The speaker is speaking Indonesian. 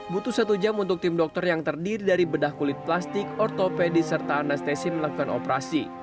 butuh satu jam untuk tim dokter yang terdiri dari bedah kulit plastik ortopedi serta anestesi melakukan operasi